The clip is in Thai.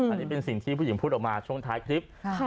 อันนี้เป็นสิ่งที่ผู้หญิงพูดออกมาช่วงท้ายคลิป